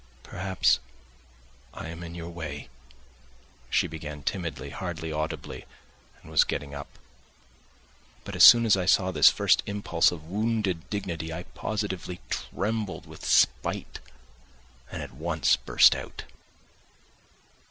"Perhaps I am in your way," she began timidly, hardly audibly, and was getting up. But as soon as I saw this first impulse of wounded dignity I positively trembled with spite, and at once burst out.